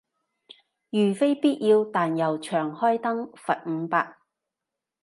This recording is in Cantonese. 如非必要但又長開燈，罰五百